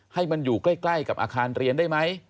ให้มันอยู่ใกล้กับอาคารเรียนได้ไหม